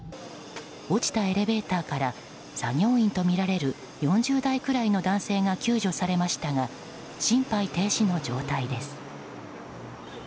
落ちたエレベーターから作業員とみられる４０代くらいの男性が救助されましたが心肺停止の状態です。